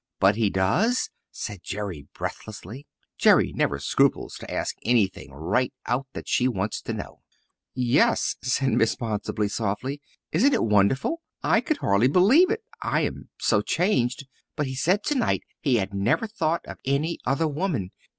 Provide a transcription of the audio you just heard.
"But he does?" said Jerry breathlessly. Jerry never scruples to ask anything right out that she wants to know. "Yes," said Miss Ponsonby softly. "Isn't it wonderful? I could hardly believe it I am so changed. But he said tonight he had never thought of any other woman.